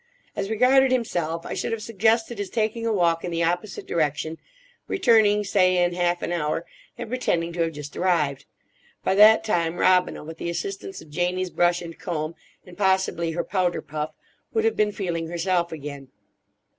As regarded himself, I should have suggested his taking a walk in the opposite direction, returning, say, in half an hour, and pretending to have just arrived. By that time Robina, with the assistance of Janie's brush and comb, and possibly her powder puff, would have been feeling herself again.